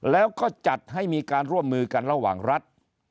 แล้วก็จัดให้มีการร่วมมือกันระหว่างรัฐ